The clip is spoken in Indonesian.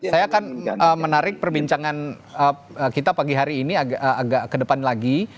saya akan menarik perbincangan kita pagi hari ini agak ke depan lagi